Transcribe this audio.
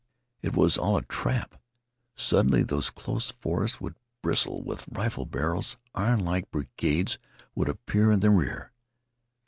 It was all a trap. Suddenly those close forests would bristle with rifle barrels. Ironlike brigades would appear in the rear.